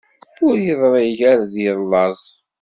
Ur iḍeṛṛig ar ad yellaẓ.